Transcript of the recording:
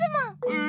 え！